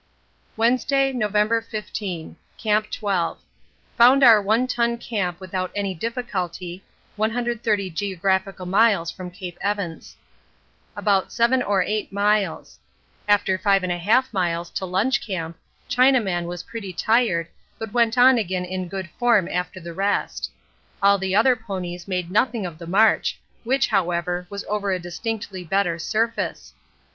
Wednesday, November 15. Camp 12. Found our One Ton Camp without any difficulty [130 geographical miles from Cape Evans]. About 7 or 8 miles. After 5 1/2 miles to lunch camp, Chinaman was pretty tired, but went on again in good form after the rest. All the other ponies made nothing of the march, which, however, was over a distinctly better surface.